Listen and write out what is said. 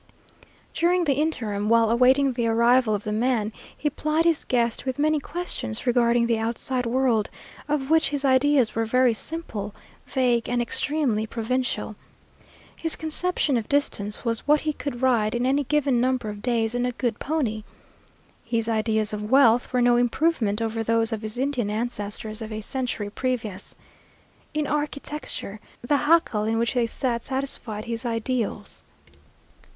During the interim, while awaiting the arrival of the man, he plied his guest with many questions regarding the outside world, of which his ideas were very simple, vague, and extremely provincial. His conception of distance was what he could ride in a given number of days on a good pony. His ideas of wealth were no improvement over those of his Indian ancestors of a century previous. In architecture, the jacal in which they sat satisfied his ideals.